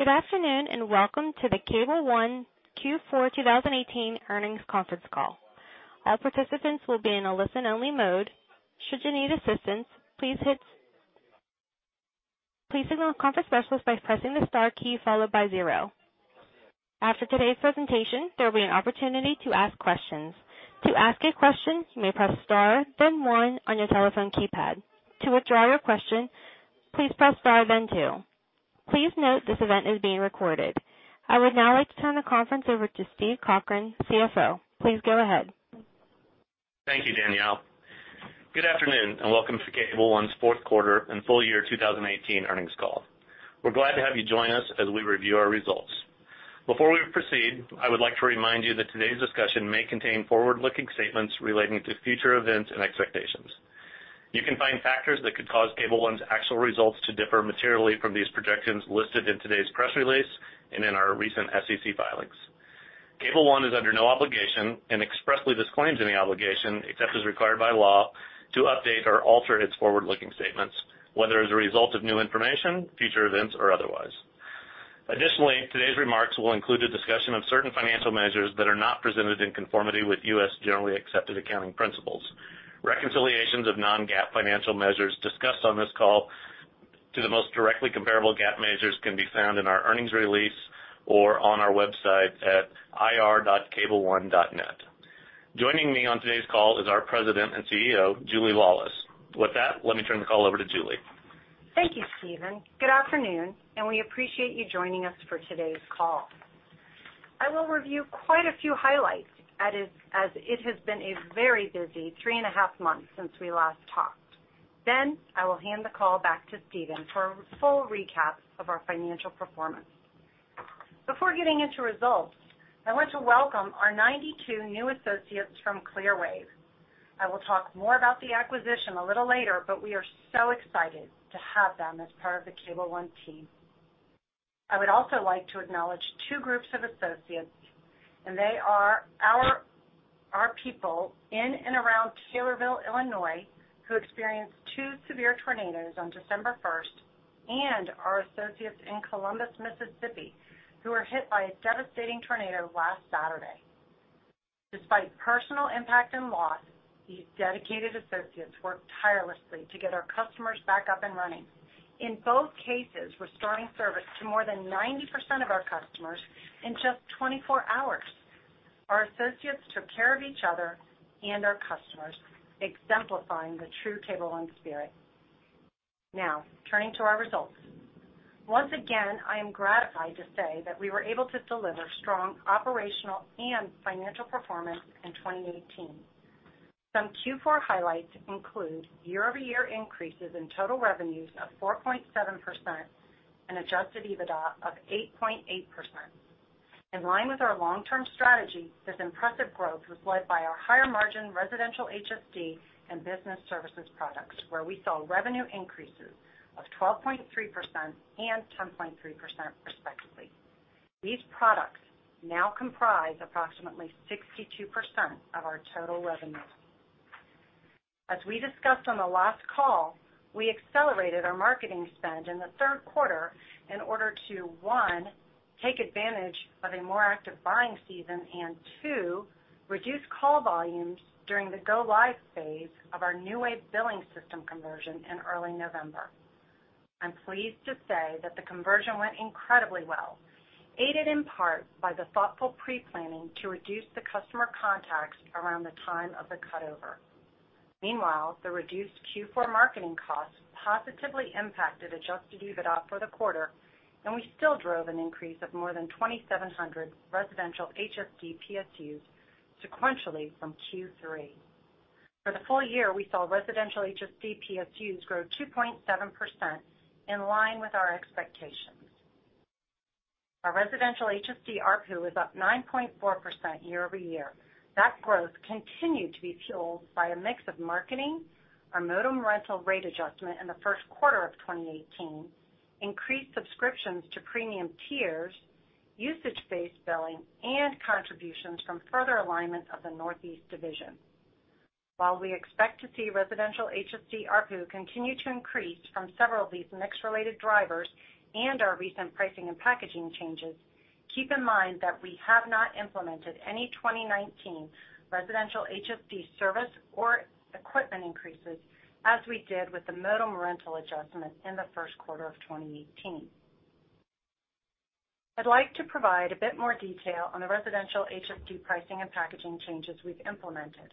Good afternoon, welcome to the Cable ONE Q4 2018 earnings conference call. All participants will be in a listen-only mode. Should you need assistance, please signal a conference specialist by pressing the star key followed by zero. After today's presentation, there will be an opportunity to ask questions. To ask a question, you may press star, then one on your telephone keypad. To withdraw your question, please press star, then two. Please note this event is being recorded. I would now like to turn the conference over to Steve Cochran, CFO. Please go ahead. Thank you, Danielle. Good afternoon, welcome to Cable ONE's fourth quarter and full year 2018 earnings call. We're glad to have you join us as we review our results. Before we proceed, I would like to remind you that today's discussion may contain forward-looking statements relating to future events and expectations. You can find factors that could cause Cable ONE's actual results to differ materially from these projections listed in today's press release and in our recent SEC filings. Cable ONE is under no obligation and expressly disclaims any obligation, except as required by law, to update or alter its forward-looking statements, whether as a result of new information, future events, or otherwise. Additionally, today's remarks will include a discussion of certain financial measures that are not presented in conformity with U.S. generally accepted accounting principles. Reconciliations of non-GAAP financial measures discussed on this call to the most directly comparable GAAP measures can be found in our earnings release or on our website at ir.cableone.net. Joining me on today's call is our President and CEO, Julie Laulis. With that, let me turn the call over to Julie. Thank you, Steven. Good afternoon, we appreciate you joining us for today's call. I will review quite a few highlights as it has been a very busy three and a half months since we last talked. I will hand the call back to Steven for a full recap of our financial performance. Before getting into results, I want to welcome our 92 new associates from Clearwave. I will talk more about the acquisition a little later, but we are so excited to have them as part of the Cable ONE team. I would also like to acknowledge two groups of associates, and they are our people in and around Taylorville, Illinois, who experienced two severe tornadoes on December 1st, and our associates in Columbus, Mississippi, who were hit by a devastating tornado last Saturday. Despite personal impact and loss, these dedicated associates worked tirelessly to get our customers back up and running, in both cases, restoring service to more than 90% of our customers in just 24 hours. Our associates took care of each other and our customers, exemplifying the true Cable ONE spirit. Now, turning to our results. Once again, I am gratified to say that we were able to deliver strong operational and financial performance in 2018. Some Q4 highlights include year-over-year increases in total revenues of 4.7% and adjusted EBITDA of 8.8%. In line with our long-term strategy, this impressive growth was led by our higher margin residential HSD and business services products, where we saw revenue increases of 12.3% and 10.3% respectively. These products now comprise approximately 62% of our total revenues. As we discussed on the last call, we accelerated our marketing spend in the third quarter in order to, one, take advantage of a more active buying season, and two, reduce call volumes during the go live phase of our NewWave billing system conversion in early November. I'm pleased to say that the conversion went incredibly well, aided in part by the thoughtful pre-planning to reduce the customer contacts around the time of the cutover. Meanwhile, the reduced Q4 marketing costs positively impacted adjusted EBITDA for the quarter, and we still drove an increase of more than 2,700 residential HSD PSUs sequentially from Q3. For the full year, we saw residential HSD PSUs grow 2.7%, in line with our expectations. Our residential HSD ARPU was up 9.4% year-over-year. That growth continued to be fueled by a mix of marketing, our modem rental rate adjustment in the first quarter of 2018, increased subscriptions to premium tiers, usage-based billing, and contributions from further alignment of the Northeast division. While we expect to see residential HSD ARPU continue to increase from several of these mix-related drivers and our recent pricing and packaging changes, keep in mind that we have not implemented any 2019 residential HSD service or equipment increases as we did with the modem rental adjustment in the first quarter of 2018. I'd like to provide a bit more detail on the residential HSD pricing and packaging changes we've implemented.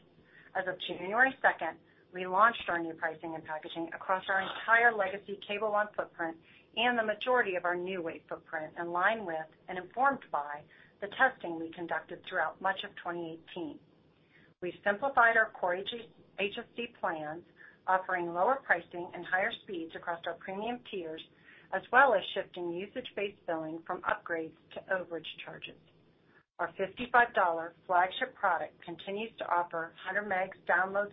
As of January 2nd, we launched our new pricing and packaging across our entire legacy Cable ONE footprint and the majority of our NewWave footprint in line with and informed by the testing we conducted throughout much of 2018. We simplified our core HSD plans, offering lower pricing and higher speeds across our premium tiers, as well as shifting usage-based billing from upgrades to overage charges. Our $55 flagship product continues to offer 100 Mbps download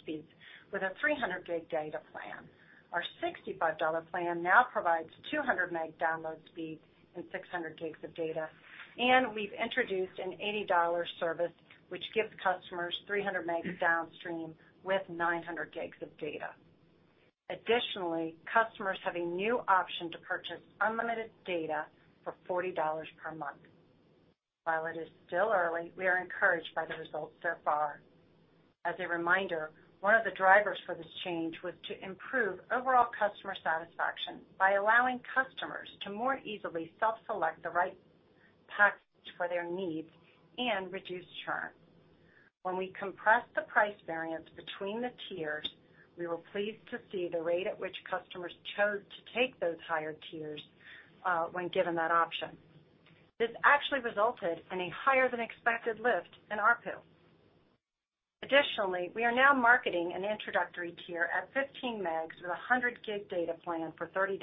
speeds with a 300 GB data plan. Our $65 plan now provides 200 Mbps download speed and 600 GB of data, and we've introduced an $80 service which gives customers 300 Mbps downstream with 900 GB of data. Additionally, customers have a new option to purchase unlimited data for $40 per month. While it is still early, we are encouraged by the results so far. As a reminder, one of the drivers for this change was to improve overall customer satisfaction by allowing customers to more easily self-select the right package for their needs and reduce churn. We compressed the price variance between the tiers, we were pleased to see the rate at which customers chose to take those higher tiers when given that option. This actually resulted in a higher than expected lift in ARPU. We are now marketing an introductory tier at 15 Mbps with 100 GB data plan for $30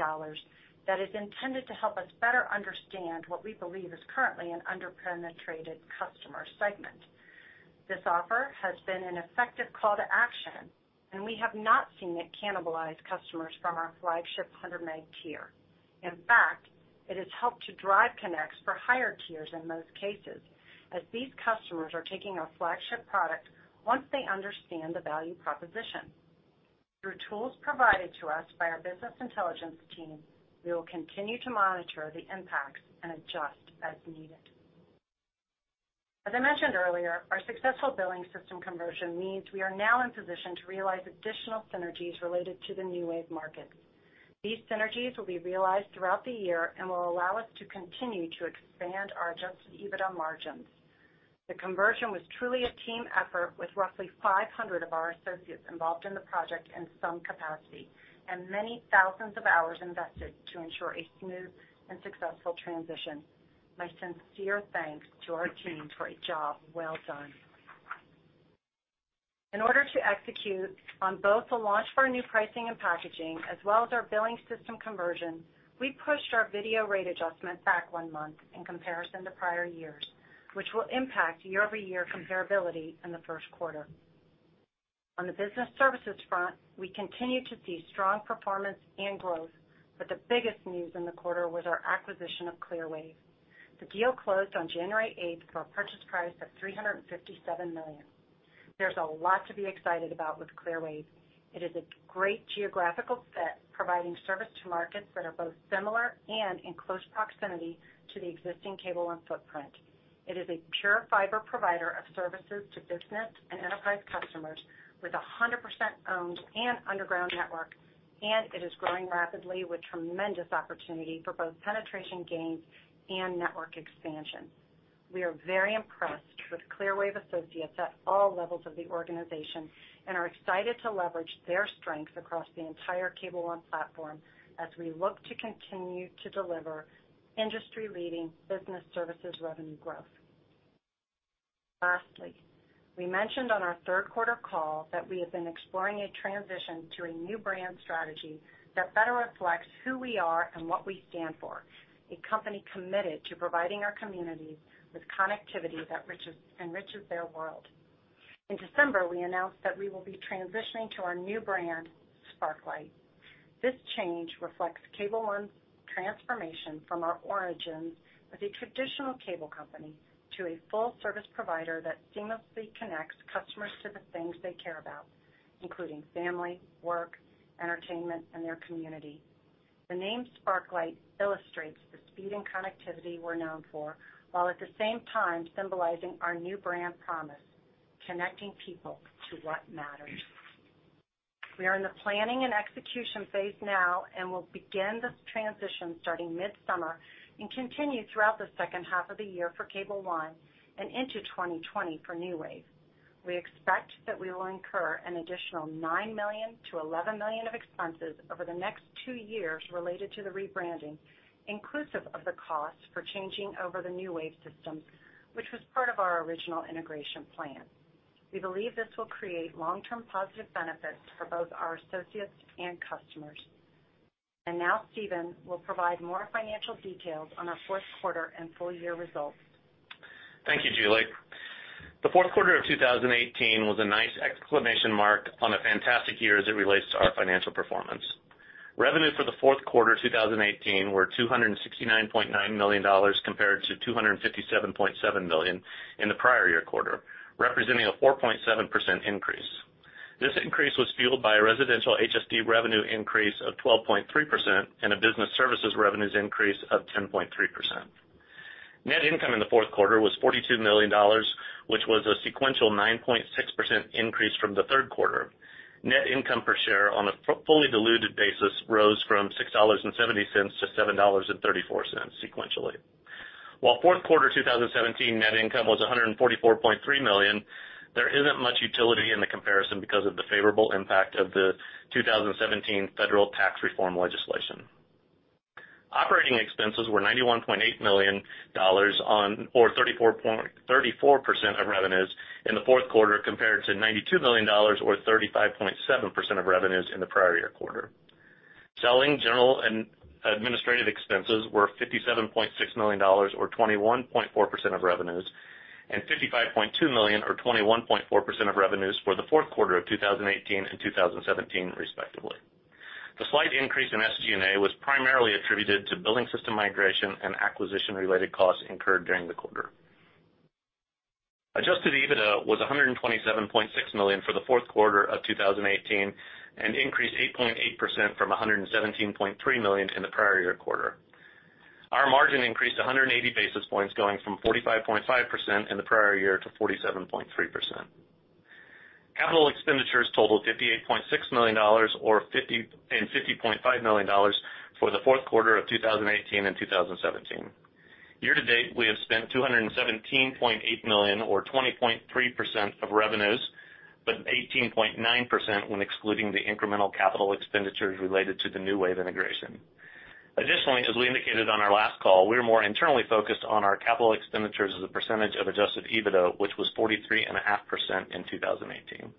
that is intended to help us better understand what we believe is currently an under-penetrated customer segment. This offer has been an effective call to action, we have not seen it cannibalize customers from our flagship 100 Mbps tier. It has helped to drive connects for higher tiers in most cases, as these customers are taking our flagship product once they understand the value proposition. Through tools provided to us by our business intelligence team, we will continue to monitor the impacts and adjust as needed. As I mentioned earlier, our successful billing system conversion means we are now in position to realize additional synergies related to the NewWave markets. These synergies will be realized throughout the year and will allow us to continue to expand our adjusted EBITDA margins. The conversion was truly a team effort with roughly 500 of our associates involved in the project in some capacity and many thousands of hours invested to ensure a smooth and successful transition. My sincere thanks to our team for a job well done. In order to execute on both the launch of our new pricing and packaging as well as our billing system conversion, we pushed our video rate adjustment back one month in comparison to prior years, which will impact year-over-year comparability in the first quarter. On the business services front, we continue to see strong performance and growth. The biggest news in the quarter was our acquisition of Clearwave. The deal closed on January 8th for a purchase price of $357 million. There's a lot to be excited about with Clearwave. It is a great geographical fit, providing service to markets that are both similar and in close proximity to the existing Cable ONE footprint. It is a pure fiber provider of services to business and enterprise customers with 100% owned and underground network. It is growing rapidly with tremendous opportunity for both penetration gains and network expansion. We are very impressed with Clearwave associates at all levels of the organization and are excited to leverage their strengths across the entire Cable ONE platform as we look to continue to deliver industry-leading business services revenue growth. We mentioned on our third quarter call that we have been exploring a transition to a new brand strategy that better reflects who we are and what we stand for, a company committed to providing our communities with connectivity that enriches their world. In December, we announced that we will be transitioning to our new brand, Sparklight. This change reflects Cable ONE's transformation from our origins as a traditional cable company to a full service provider that seamlessly connects customers to the things they care about, including family, work, entertainment, and their community. The name Sparklight illustrates the speed and connectivity we're known for, while at the same time symbolizing our new brand promise, connecting people to what matters. We are in the planning and execution phase now and will begin this transition starting mid-summer and continue throughout the second half of the year for Cable ONE and into 2020 for NewWave. We expect that we will incur an additional $9 million-$11 million of expenses over the next two years related to the rebranding, inclusive of the cost for changing over the NewWave systems, which was part of our original integration plan. We believe this will create long-term positive benefits for both our associates and customers. Now Steven will provide more financial details on our fourth quarter and full year results. Thank you, Julie. The fourth quarter of 2018 was a nice exclamation mark on a fantastic year as it relates to our financial performance. Revenue for the fourth quarter 2018 were $269.9 million compared to $257.7 million in the prior year quarter, representing a 4.7% increase. This increase was fueled by a residential HSD revenue increase of 12.3% and a business services revenues increase of 10.3%. Net income in the fourth quarter was $42 million, which was a sequential 9.6% increase from the third quarter. Net income per share on a fully diluted basis rose from $6.70 to $7.34 sequentially. While fourth quarter 2017 net income was $144.3 million, there isn't much utility in the comparison because of the favorable impact of the 2017 federal tax reform legislation. Operating expenses were $91.8 million or 34% of revenues in the fourth quarter compared to $92 million or 35.7% of revenues in the prior year quarter. Selling, general and administrative expenses were $57.6 million or 21.4% of revenues and $55.2 million or 21.4% of revenues for the fourth quarter of 2018 and 2017 respectively. The slight increase in SG&A was primarily attributed to billing system migration and acquisition related costs incurred during the quarter. Adjusted EBITDA was $127.6 million for the fourth quarter of 2018, and increased 8.8% from $117.3 million in the prior year quarter. Our margin increased 180 basis points, going from 45.5% in the prior year to 47.3%. Capital expenditures totaled $58.6 million and $50.5 million for the fourth quarter of 2018 and 2017. Year to date, we have spent $217.8 million, or 20.3% of revenues, but 18.9% when excluding the incremental capital expenditures related to the NewWave integration. Additionally, as we indicated on our last call, we are more internally focused on our capital expenditures as a percentage of adjusted EBITDA, which was 43.5% in 2018.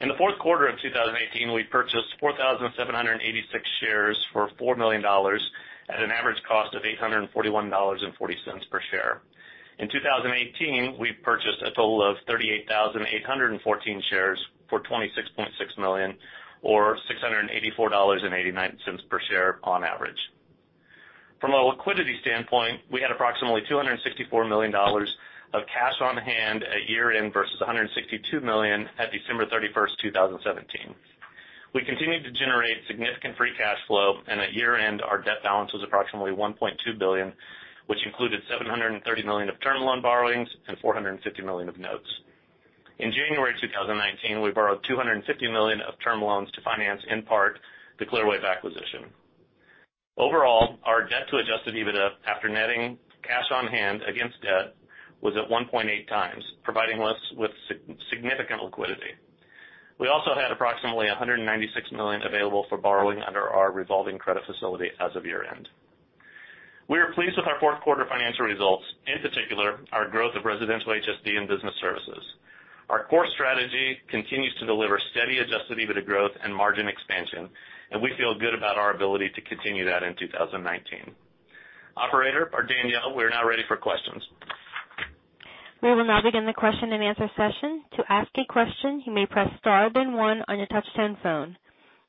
In the fourth quarter of 2018, we purchased 4,786 shares for $4 million at an average cost of $841.40 per share. In 2018, we purchased a total of 38,814 shares for $26.6 million, or $684.89 per share on average. From a liquidity standpoint, we had approximately $264 million of cash on hand at year-end versus $162 million at December 31st, 2017. We continued to generate significant free cash flow, and at year-end, our debt balance was approximately $1.2 billion, which included $730 million of term loan borrowings and $450 million of notes. In January 2019, we borrowed $250 million of term loans to finance, in part, the Clearwave acquisition. Overall, our debt to adjusted EBITDA after netting cash on hand against debt was at 1.8x, providing us with significant liquidity. We also had approximately $196 million available for borrowing under our revolving credit facility as of year-end. We are pleased with our fourth quarter financial results, in particular, our growth of residential HSD and business services. Our core strategy continues to deliver steady adjusted EBITDA growth and margin expansion. We feel good about our ability to continue that in 2019. Operator or Danielle, we are now ready for questions. We will now begin the question and answer session. To ask a question, you may press star then one on your touch-tone phone.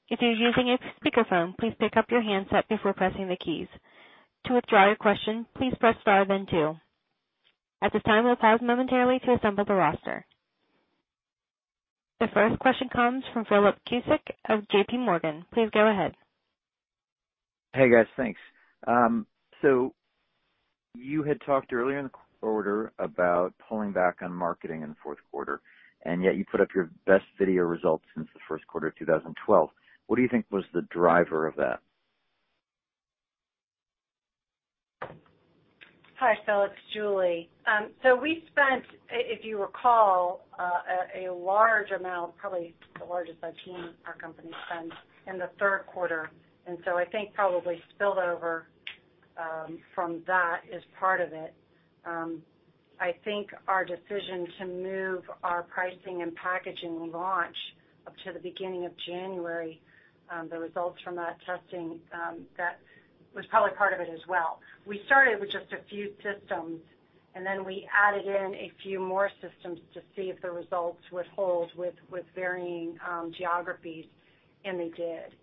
If you're using a speakerphone, please pick up your handset before pressing the keys. To withdraw your question, please press star then two. At this time, we'll pause momentarily to assemble the roster. The first question comes from Philip Cusick of JPMorgan. Please go ahead. Hey, guys. Thanks. You had talked earlier in the quarter about pulling back on marketing in the fourth quarter, and yet you put up your best video results since the first quarter of 2012. What do you think was the driver of that? Hi, Philip. Julie. We spent, if you recall, a large amount, probably the largest I've seen our company spend in the third quarter. I think probably spillover from that is part of it. I think our decision to move our pricing and packaging launch up to the beginning of January, the results from that testing, that was probably part of it as well. We started with just a few systems. We added in a few more systems to see if the results would hold with varying geographies. They did.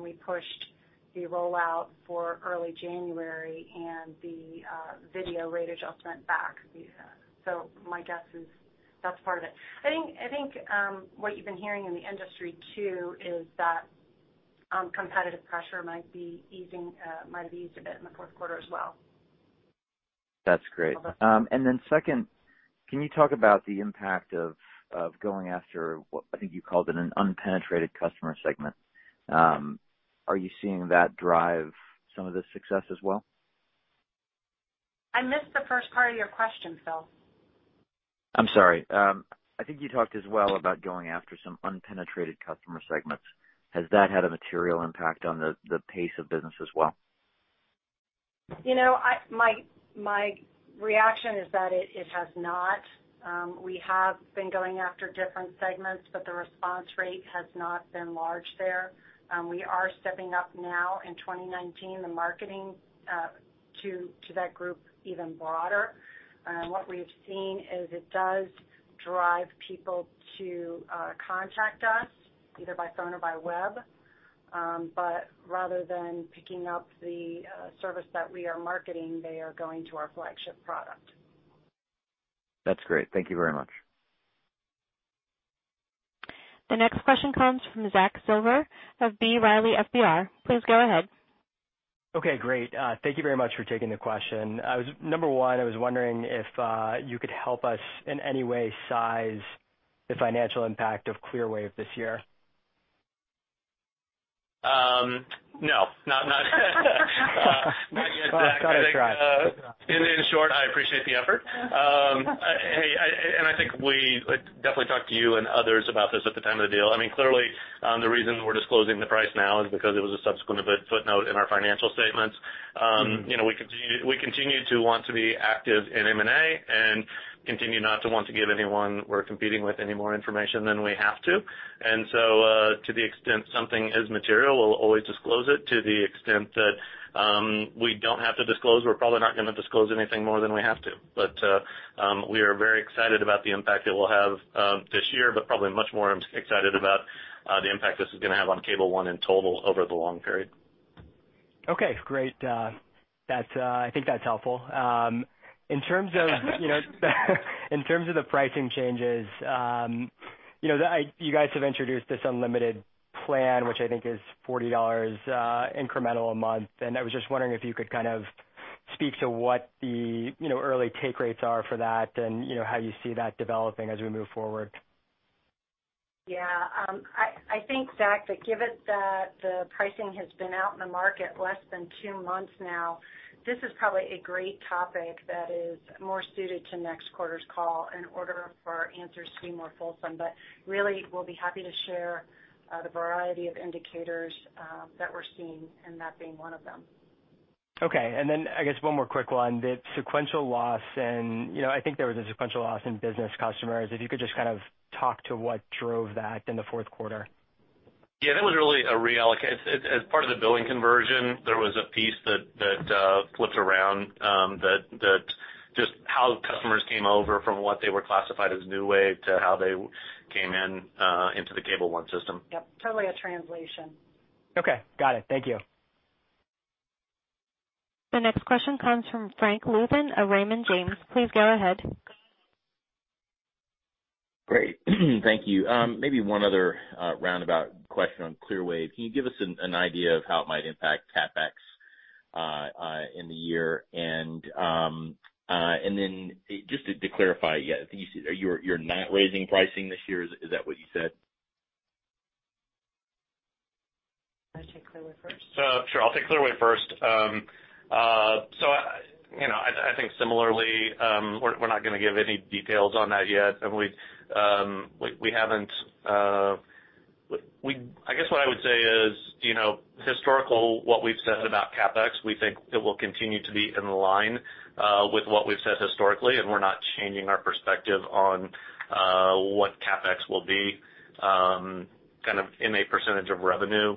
We pushed the rollout for early January and the video rate adjustment back. My guess is that's part of it. I think what you've been hearing in the industry too is that competitive pressure might have eased a bit in the fourth quarter as well. That's great. Okay. Then second, can you talk about the impact of going after, I think you called it an unpenetrated customer segment. Are you seeing that drive some of the success as well? I missed the first part of your question, Phil. I'm sorry. I think you talked as well about going after some unpenetrated customer segments. Has that had a material impact on the pace of business as well? My reaction is that it has not. We have been going after different segments, but the response rate has not been large there. We are stepping up now in 2019, the marketing to that group even broader. What we've seen is it does drive people to contact us either by phone or by web. Rather than picking up the service that we are marketing, they are going to our flagship product. That's great. Thank you very much. The next question comes from Zack Silver of B. Riley FBR. Please go ahead. Okay, great. Thank you very much for taking the question. Number one, I was wondering if you could help us in any way size the financial impact of Clearwave this year. No. Not yet, Zack. It's worth a try. In short, I appreciate the effort. Hey, I think we definitely talked to you and others about this at the time of the deal. Clearly, the reason we're disclosing the price now is because it was a subsequent footnote in our financial statements. We continue to want to be active in M&A and continue not to want to give anyone we're competing with any more information than we have to. To the extent something is material, we'll always disclose it. To the extent that we don't have to disclose, we're probably not gonna disclose anything more than we have to. We are very excited about the impact it will have this year, but probably much more excited about the impact this is gonna have on Cable ONE in total over the long period. Okay, great. I think that's helpful. In terms of the pricing changes, you guys have introduced this unlimited plan, which I think is $40 incremental a month, and I was just wondering if you could speak to what the early take rates are for that and how you see that developing as we move forward. Yeah. I think, Zack, that given that the pricing has been out in the market less than two months now, this is probably a great topic that is more suited to next quarter's call in order for our answers to be more fulsome. Really, we'll be happy to share the variety of indicators that we're seeing, and that being one of them. Okay. I guess one more quick one, the sequential loss in, I think there was a sequential loss in business customers. If you could just talk to what drove that in the fourth quarter. Yeah. That was really a reallocate. As part of the billing conversion, there was a piece that flipped around, that just how customers came over from what they were classified as NewWave to how they came into the Cable ONE system. Yep, totally a translation. Okay. Got it. Thank you. The next question comes from Frank Louthan of Raymond James. Please go ahead. Great. Thank you. Maybe one other roundabout question on Clearwave. Can you give us an idea of how it might impact CapEx in the year? Then just to clarify, you're not raising pricing this year, is that what you said? Want to take Clearwave first? Sure. I'll take Clearwave first. I think similarly, we're not going to give any details on that yet. I guess what I would say is, historically, what we've said about CapEx, we think it will continue to be in line with what we've said historically. We're not changing our perspective on what CapEx will be in a percentage of revenue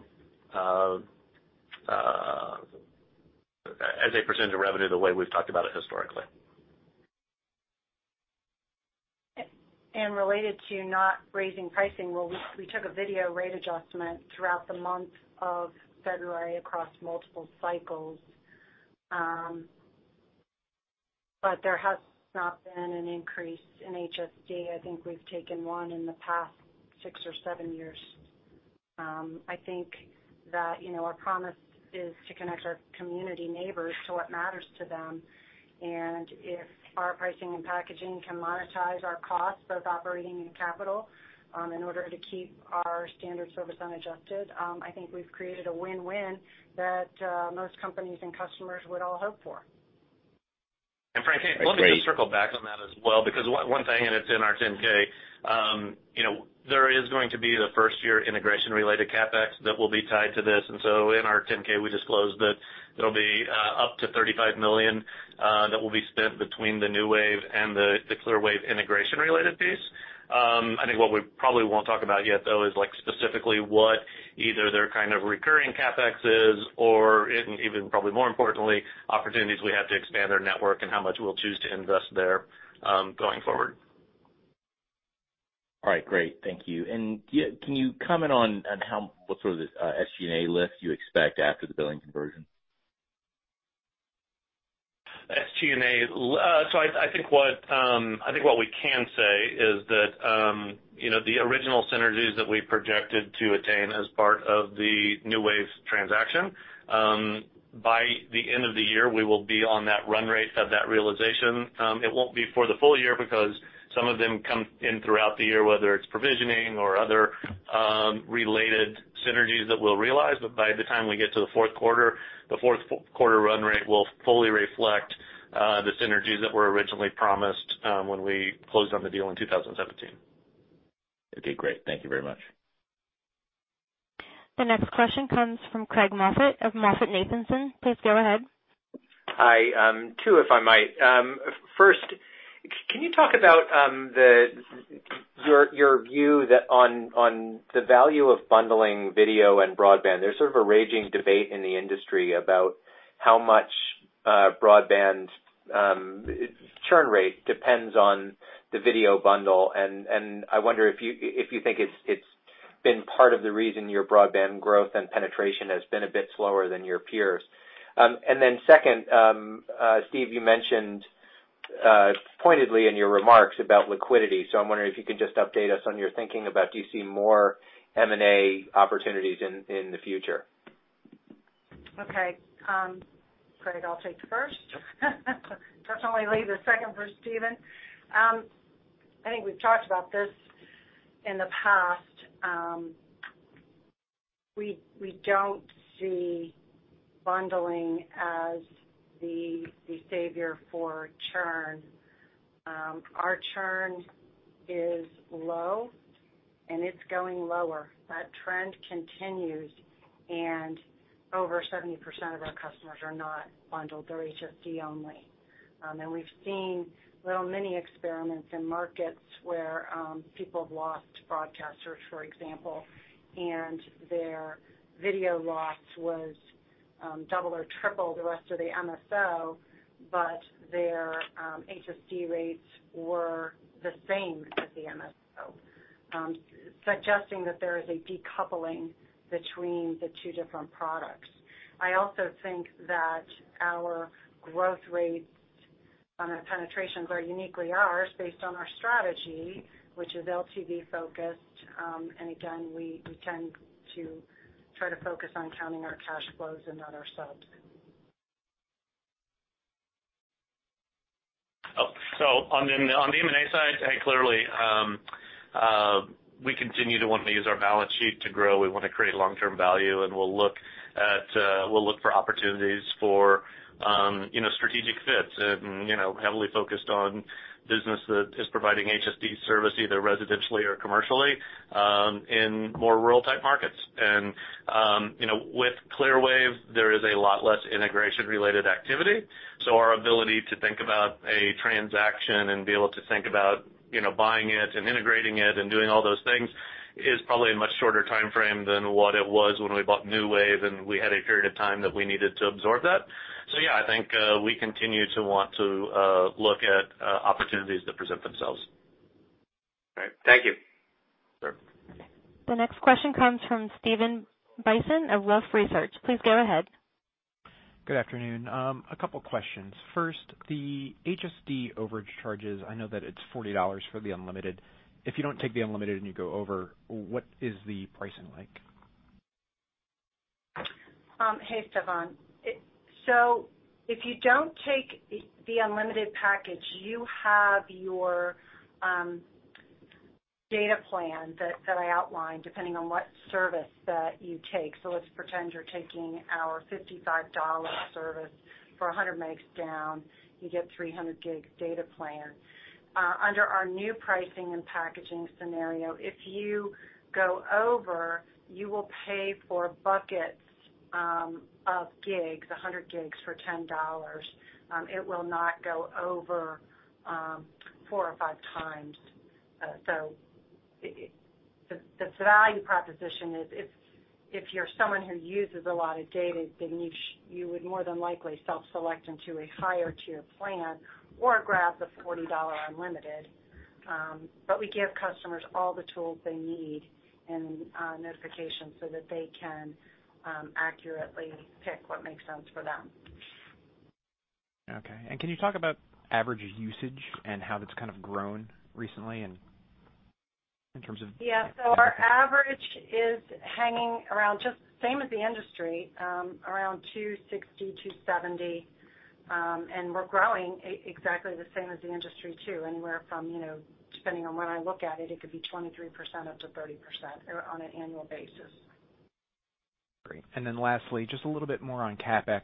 the way we've talked about it historically. Related to not raising pricing, we took a video rate adjustment throughout the month of February across multiple cycles. There has not been an increase in HSD. I think we've taken one in the past six or seven years. I think that our promise is to connect our community neighbors to what matters to them, and if our pricing and packaging can monetize our costs, both operating and capital, in order to keep our standard service unadjusted, I think we've created a win-win that most companies and customers would all hope for. Frank, let me just circle back on that as well, because one thing, and it's in our 10-K, there is going to be the first-year integration related CapEx that will be tied to this. In our 10-K, we disclosed that it'll be up to $35 million that will be spent between the NewWave and the Clearwave integration related piece. I think what we probably won't talk about yet, though, is specifically what either their kind of recurring CapEx is or even probably more importantly, opportunities we have to expand their network and how much we'll choose to invest there going forward. All right, great. Thank you. Can you comment on what sort of SG&A lift you expect after the billing conversion? SG&A. I think what we can say is that the original synergies that we projected to attain as part of the NewWave transaction, by the end of the year, we will be on that run rate of that realization. It won't be for the full year because some of them come in throughout the year, whether it's provisioning or other related synergies that we'll realize. By the time we get to the fourth quarter, the fourth quarter run rate will fully reflect the synergies that were originally promised when we closed on the deal in 2017. Okay, great. Thank you very much. The next question comes from Craig Moffett of MoffettNathanson. Please go ahead. Hi. Two, if I might. First, can you talk about your view on the value of bundling video and broadband? There's sort of a raging debate in the industry about how much broadband churn rate depends on the video bundle, and I wonder if you think it's been part of the reason your broadband growth and penetration has been a bit slower than your peers. Second, Steve, you mentioned pointedly in your remarks about liquidity, I'm wondering if you can just update us on your thinking about, do you see more M&A opportunities in the future? Okay. Craig, I'll take the first. Definitely leave the second for Steven. I think we've talked about this in the past. We don't see bundling as the saviour for churn. Our churn is low and it's going lower. That trend continues. Over 70% of our customers are not bundled. They're HSD only. We've seen little mini experiments in markets where people have lost broadcasters, for example, and their video loss was double or triple the rest of the MSO, but their HSD rates were the same as the MSO, suggesting that there is a decoupling between the two different products. I also think that our growth rates on our penetrations are uniquely ours based on our strategy, which is LTV focused. Again, we tend to try to focus on counting our cash flows and not our subs. On the M&A side, clearly we continue to want to use our balance sheet to grow. We want to create long-term value, and we'll look for opportunities for strategic fits and heavily focused on business that is providing HSD service, either residentially or commercially, in more rural type markets. With Clearwave, there is a lot less integration-related activity. Our ability to think about a transaction and be able to think about buying it and integrating it and doing all those things is probably a much shorter timeframe than what it was when we bought NewWave, and we had a period of time that we needed to absorb that. Yeah, I think we continue to want to look at opportunities that present themselves. Great. Thank you. Sure. The next question comes from Stephan Bisson of Wolfe Research. Please go ahead. Good afternoon. A couple questions. First, the HSD overage charges, I know that it is $40 for the unlimited. If you don't take the unlimited and you go over, what is the pricing like? Hey, Stephan. If you don't take the unlimited package, you have your data plan that I outlined, depending on what service that you take. Let's pretend you're taking our $55 service for 100 Mbps down, you get 300 GB data plan. Under our new pricing and packaging scenario, if you go over, you will pay for buckets of gigs, 100 GB for $10. It will not go over four or five times. The value proposition is if you're someone who uses a lot of data, then you would more than likely self-select into a higher tier plan or grab the $40 unlimited. We give customers all the tools they need and notifications so that they can accurately pick what makes sense for them. Okay. Can you talk about average usage and how that's kind of grown recently? Yeah. Our average is hanging around just same as the industry, around 260 GB, 270 GB. We're growing exactly the same as the industry too, anywhere from, depending on when I look at it could be 23% up to 30% on an annual basis. Great. Lastly, just a little bit more on CapEx.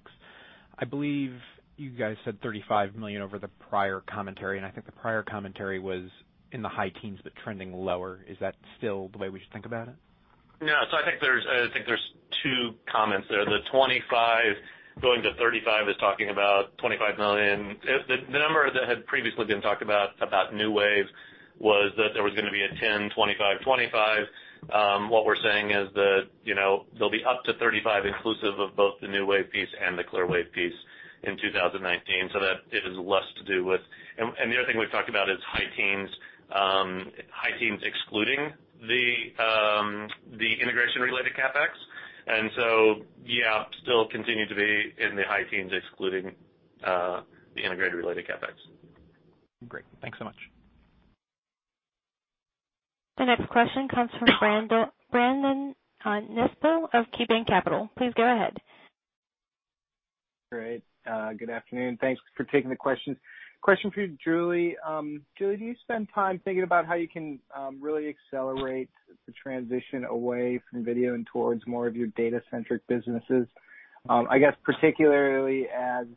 I believe you guys said $35 million over the prior commentary, and I think the prior commentary was in the high teens, but trending lower. Is that still the way we should think about it? No. I think there's two comments there. The $25 million going to $35 million is talking about $25 million. The number that had previously been talked about NewWave was that there was going to be a $10 million, $25 million. What we're saying is that there'll be up to $35 million inclusive of both the NewWave piece and the Clearwave piece in 2019. The other thing we've talked about is high teens excluding the integration-related CapEx. Yeah, still continue to be in the high teens, excluding the integrated-related CapEx. Great. Thanks so much. The next question comes from Brandon Nispel of KeyBanc Capital. Please go ahead. Great. Good afternoon. Thanks for taking the questions. Question for you, Julie. Julie, do you spend time thinking about how you can really accelerate the transition away from video and towards more of your data-centric businesses? I guess particularly as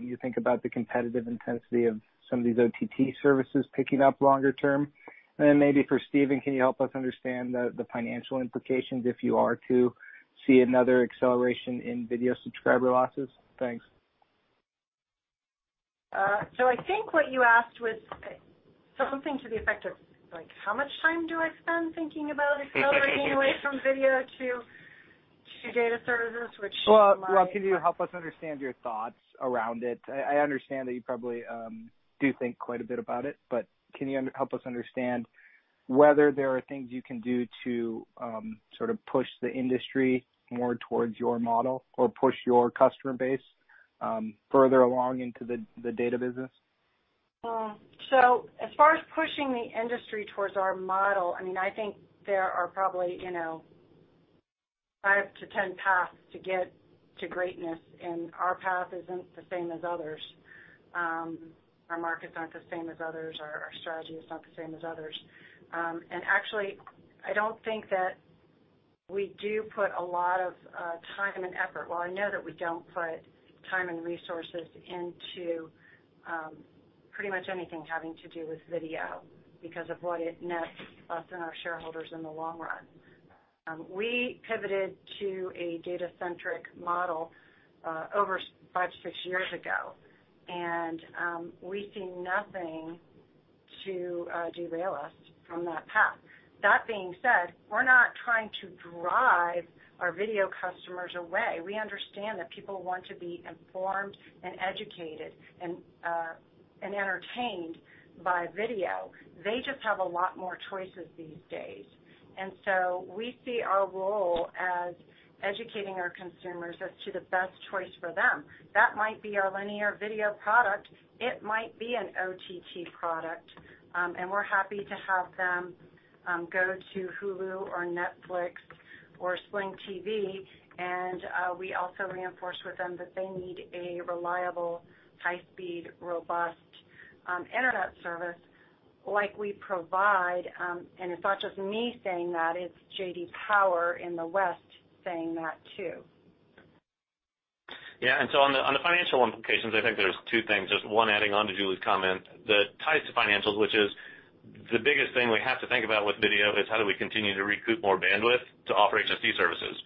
you think about the competitive intensity of some of these OTT services picking up longer term. Then maybe for Steven, can you help us understand the financial implications if you are to see another acceleration in video subscriber losses? Thanks. I think what you asked was something to the effect of how much time do I spend thinking about accelerating away from video to data services. Well, can you help us understand your thoughts around it? I understand that you probably do think quite a bit about it, can you help us understand whether there are things you can do to sort of push the industry more towards your model or push your customer base further along into the data business? As far as pushing the industry towards our model, I think there are probably five to 10 paths to get to greatness, Our path isn't the same as others. Our markets aren't the same as others. Our strategy is not the same as others. Actually, I don't think that we do put a lot of time and effort. Well, I know that we don't put time and resources into pretty much anything having to do with video because of what it nets us and our shareholders in the long run. We pivoted to a data-centric model over five to six years ago, we see nothing to derail us from that path. That being said, we're not trying to drive our video customers away. We understand that people want to be informed and educated and entertained by video. They just have a lot more choices these days. We see our role as educating our consumers as to the best choice for them. That might be our linear video product, it might be an OTT product. We're happy to have them go to Hulu or Netflix or Sling TV, and we also reinforce with them that they need a reliable, high-speed, robust internet service like we provide. It's not just me saying that, it's J.D. Power in the West saying that too. On the financial implications, I think there's two things. Just one adding on to Julie's comment that ties to financials, which is the biggest thing we have to think about with video is how do we continue to recoup more bandwidth to offer HSD services.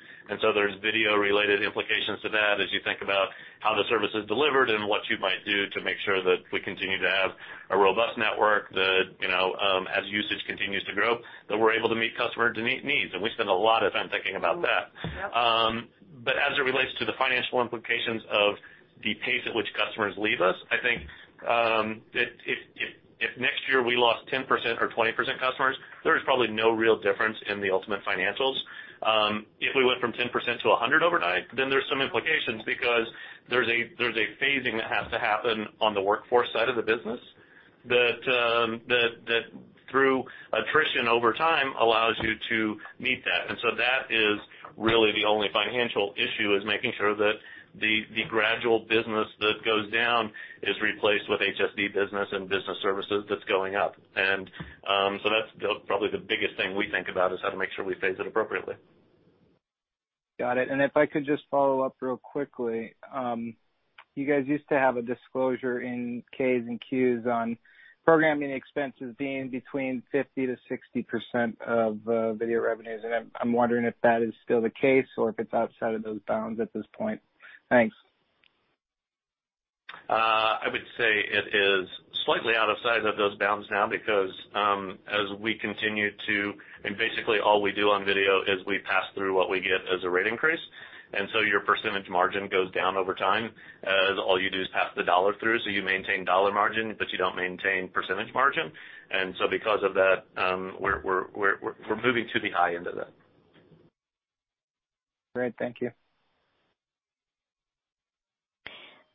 There's video-related implications to that as you think about how the service is delivered and what you might do to make sure that we continue to have a robust network that, as usage continues to grow, that we're able to meet customer needs. We spend a lot of time thinking about that. Yep. As it relates to the financial implications of the pace at which customers leave us, I think, if next year we lost 10% or 20% customers, there is probably no real difference in the ultimate financials. If we went from 10% to 100% overnight, then there's some implications because there's a phasing that has to happen on the workforce side of the business that through attrition over time allows you to meet that. That is really the only financial issue, is making sure that the gradual business that goes down is replaced with HSD business and business services that's going up. That's probably the biggest thing we think about, is how to make sure we phase it appropriately. Got it. If I could just follow up real quickly. You guys used to have a disclosure in K's and Q's on programming expenses being between 50%-60% of video revenues, I'm wondering if that is still the case or if it's outside of those bounds at this point. Thanks. I would say it is slightly out of sight of those bounds now because as we continue to, basically all we do on video is we pass through what we get as a rate increase. Your percentage margin goes down over time as all you do is pass the dollar through. You maintain dollar margin, but you don't maintain percentage margin. Because of that, we're moving to the high end of that. Great. Thank you.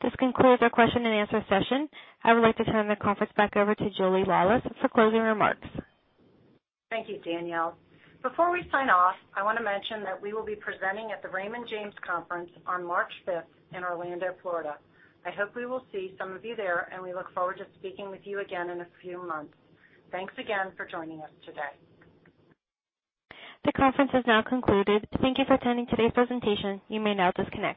This concludes our question and answer session. I would like to turn the conference back over to Julie Laulis for closing remarks. Thank you, Danielle. Before we sign off, I want to mention that we will be presenting at the Raymond James Conference on March 5th in Orlando, Florida. I hope we will see some of you there, and we look forward to speaking with you again in a few months. Thanks again for joining us today. The conference has now concluded. Thank you for attending today's presentation. You may now disconnect.